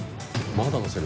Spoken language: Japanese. まだのせる。